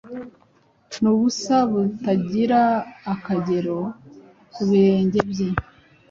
N'ubusa butagira akagero kubirenge bye